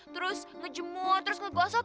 terus ngejemur terus ngebosok